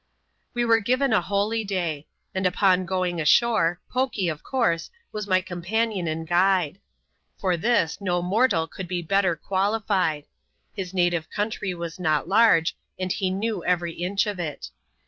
We were given a holyday ; and upon going ashore. Poky, of comrse, was my companion and guide. For this, no mortal eonld be better qualified ; his native country was not large, and he knew every inch of it.